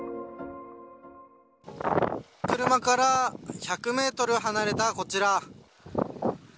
車から１００メートル離れたこちら。